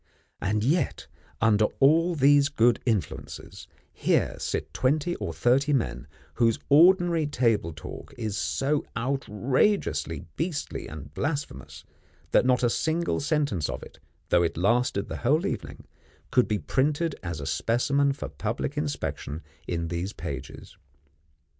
And yet, under all these good influences, here sit twenty or thirty men whose ordinary table talk is so outrageously beastly and blasphemous, that not a single sentence of it, though it lasted the whole evening, could be printed as a specimen for public inspection, in these pages.